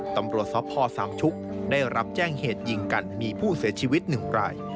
ตำรวจสพสามชุกได้รับแจ้งเหตุยิงกันมีผู้เสียชีวิต๑ราย